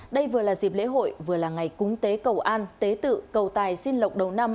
đây vừa là dịp lễ hội vừa là ngày cúng tế cầu an tế tự cầu tài xin lộc đầu năm